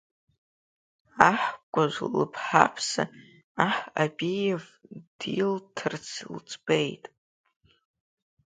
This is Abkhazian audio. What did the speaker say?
Аҳкәажә лыԥҳаԥса аҳ Абиев дилҭарц лыӡбеит.